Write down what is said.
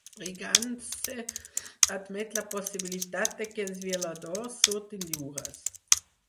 Brigance admet la possibilitat de què els violadors surtin lliures.